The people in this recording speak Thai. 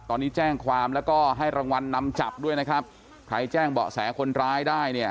ตอนนี้แจ้งความแล้วก็ให้รางวัลนำจับด้วยนะครับใครแจ้งเบาะแสคนร้ายได้เนี่ย